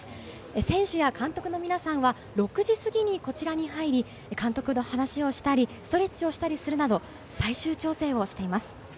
選手や監督の皆さんは６時過ぎにこちらに入り、監督と話をしたり、ストレッチをしたりするなど最終調整をしています。